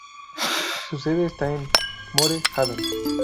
Su sede está en Moore Haven.